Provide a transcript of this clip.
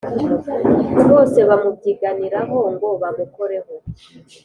bose bamubyiganiraho ngo bamukoreho